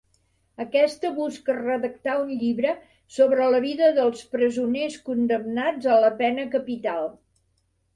Aquesta busca redactar un llibre sobre la vida dels presoners condemnats a la pena capital.